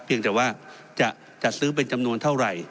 แต่ว่าจะจัดซื้อเป็นจำนวนเท่าไหร่